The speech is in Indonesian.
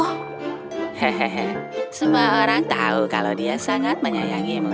hehehe semua orang tahu kalau dia sangat menyayangimu